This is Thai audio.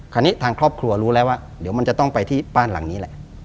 ทางครอบครัวรู้แล้วว่าเดี๋ยวมันจะต้องไปที่บ้านหลังนี้แหละ